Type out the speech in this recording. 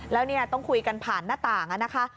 แล้วเนี่ยต้องคุยกันผ่านหน้าต่างนะคะ